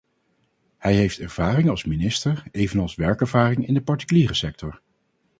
Hij heeft ervaring als minister, evenals werkervaring in de particuliere sector.